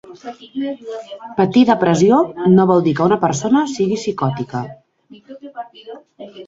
Patir depressió no vol dir que una persona sigui psicòtica.